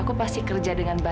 aufton ini pasti jalan leluarnya